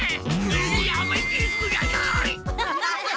やめてください。